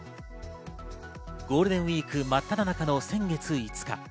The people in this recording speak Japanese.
ゴールデンウイークまっただ中の先月５日。